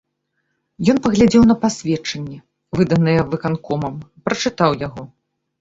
Ён паглядзеў на пасведчанне, выданае выканкомам, прачытаў яго.